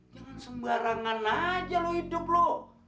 jangan sembarangan aja lo hidup lo